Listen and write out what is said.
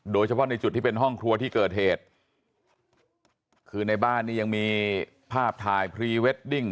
โดยเฉพาะในจุดที่เป็นห้องครัวที่เกิดเหตุคือในบ้านนี้ยังมีภาพถ่ายพรีเวดดิ้ง